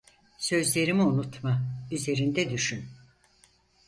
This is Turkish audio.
Sözlerimi unutma, üzerinde düşün!